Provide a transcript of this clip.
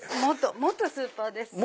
元スーパーです